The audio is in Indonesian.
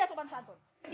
lewat aatanas seperti ini